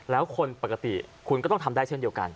แล้วคนปกติคุณก็ต้องทำได้เช่นเดียวกัน